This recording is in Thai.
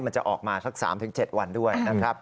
มันจะออกมาสัก๓๗วันด้วยนะครับ